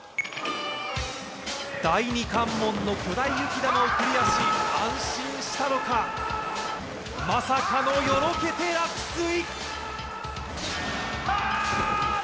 第２関門の巨大雪玉をクリアし安心したのかまさかのよろけて落水。